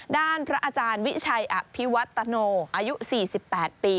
ด้านพระอาจารย์วิชัยอภิวัตโนอายุ๔๘ปี